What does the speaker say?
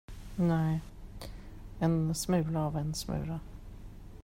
Nej, en smula av en smula.